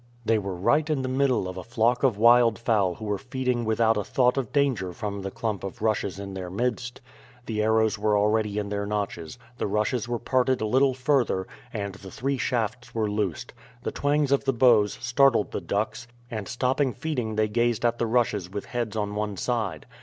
They were right in the middle of a flock of wildfowl who were feeding without a thought of danger from the clump of rushes in their midst. The arrows were already in their notches, the rushes were parted a little further, and the three shafts were loosed. The twangs of the bows startled the ducks, and stopping feeding they gazed at the rushes with heads on one side.